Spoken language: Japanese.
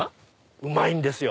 うまいんですよ。